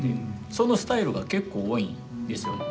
そのスタイルが結構多いんですよね。